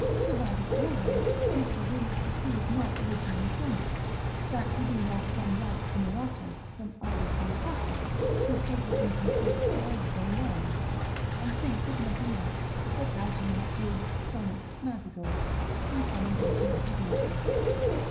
Provided always, his disease proceed not originally from it, that he be not some light inamorato, some idle fantastic, who capers in conceit all the day long, and thinks of nothing else, but how to make jigs, sonnets, madrigals, in commendation of his mistress.